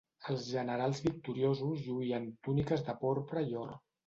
Els generals victoriosos lluïen túniques de porpra i or.